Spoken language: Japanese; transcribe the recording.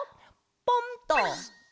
ポンっと。